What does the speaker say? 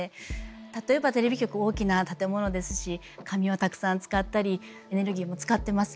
例えばテレビ局大きな建物ですし紙をたくさん使ったりエネルギーも使ってます。